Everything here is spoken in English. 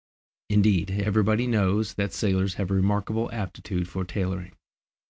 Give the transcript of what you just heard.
Indeed, everybody knows that sailors have a remarkable aptitude for tailoring.